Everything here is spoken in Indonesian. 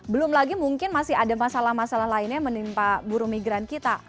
belum lagi mungkin masih ada masalah masalah lainnya yang menimpa buru migran kita